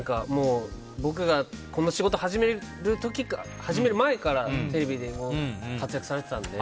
僕がこの仕事を始める前からテレビでも活躍されていたので。